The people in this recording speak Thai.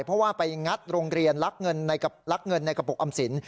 เพราะว่าไปงัดโรงเรียนลักเงินในกระปุกอำสิน